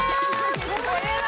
これは。